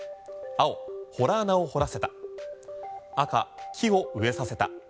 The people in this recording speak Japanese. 青、ほら穴を掘らせた赤、木を植えさせた。